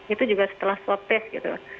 itu juga setelah swab test gitu